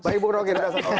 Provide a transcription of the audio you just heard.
baik bung roky